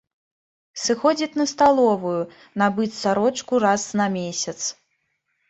Сыходзіць на сталовую, набыць сарочку раз на месяц.